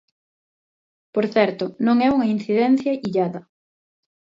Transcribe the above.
Por certo, non é unha incidencia illada.